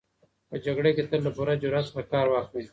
په جګړه کي تل له پوره جرئت څخه کار واخلئ.